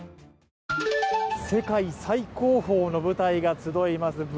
世界最高峰の舞台が集います